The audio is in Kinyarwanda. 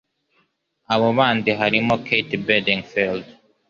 abo bandi harimo Kate Bedingfield.